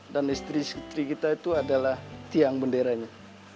dan istri istri kita itu adalah tiang benderanya